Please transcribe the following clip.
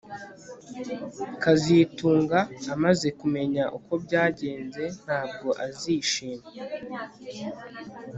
kazitunga amaze kumenya uko byagenze ntabwo azishima